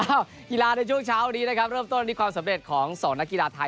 กีฬาในช่วงเช้าวันนี้นะครับเริ่มต้นที่ความสำเร็จของสองนักกีฬาไทย